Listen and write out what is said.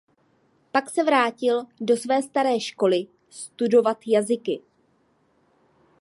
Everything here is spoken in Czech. Pak se vrátil do své staré školy studovat jazyky.